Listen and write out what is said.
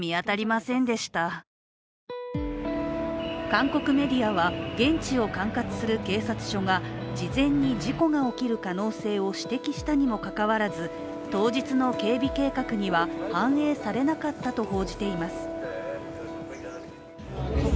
韓国メディアは現地を管轄する警察署が事前に事故が起きる可能性を指摘したにもかかわらず当日の警備計画には反映されなかったと報じています。